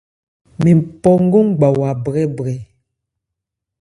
Mɛn phɔ nkɔn ngbawa brɛ́brɛ.